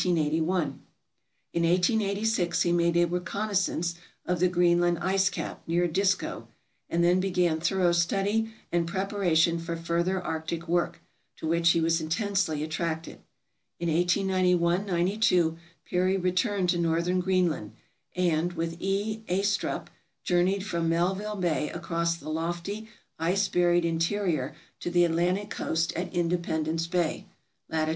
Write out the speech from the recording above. In 1886 he made a reconnoisance of the Greenland ice cap near Disko, and then began thorough study and preparation for further arctic work, to which he was intensely attracted. In 1891 92 Peary returned to northern Greenland, and, with E. Astrup, journeyed from Melville Bay across the lofty, ice buried interior to the Atlantic coast at Independence Bay (lat.